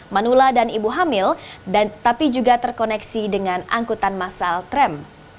manula dan ibu hamil tapi juga terkoneksi dengan angkutan masal tram